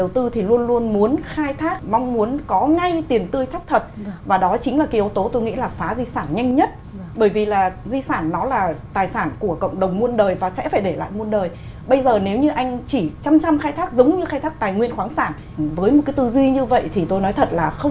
tôi đồng tình hoàn toàn với tiến sĩ nguyễn thị hậu